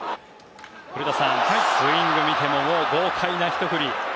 古田さん、スイングを見ても豪快なひと振り。